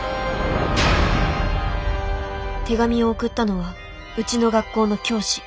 手紙を送ったのはうちの学校の教師。